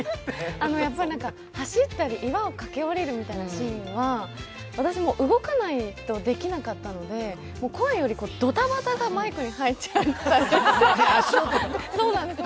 やっぱり走ったり岩を駆け下りたりするシーンは私も動かないとできなかったので、声よりドタバタがマイクに入っちゃったりして。